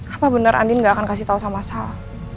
apa bener andin gak akan kasih tau sama sal